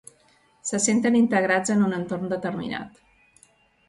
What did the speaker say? Se senten integrats en un entorn determinat.